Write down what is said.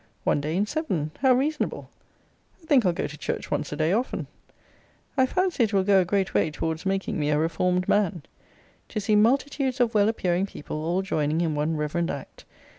One day in seven, how reasonable! I think I'll go to church once a day often. I fancy it will go a great way towards making me a reformed man. To see multitudes of well appearing people all joining in one reverend act.